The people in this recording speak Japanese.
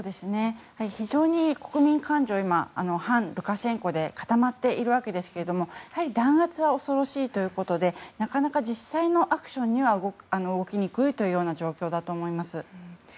非常に国民感情は今、反ルカシェンコで固まっているわけですけれどやはり弾圧は恐ろしいということでなかなか実際のアクションには動きにくい状況だと思います。